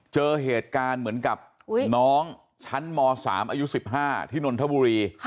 เจอเหตุการณ์เหมือนชั้นมศอายุ๑๕ที่นทบุรี